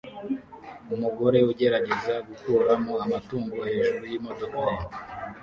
Umugore ugerageza gukuramo amatungo hejuru yimodoka ye